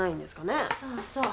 ・そうそう。